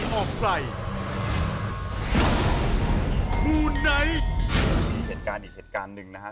มูไนท์มีเหตุการณ์อีกเหตุการณ์หนึ่งนะฮะ